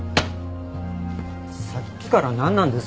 さっきからなんなんです？